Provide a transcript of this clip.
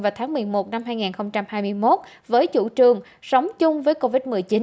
vào tháng một mươi một năm hai nghìn hai mươi một với chủ trương sống chung với covid một mươi chín